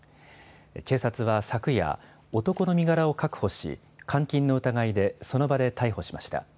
警察は昨夜、男の身柄を確保し、監禁の疑いでその場で逮捕しました。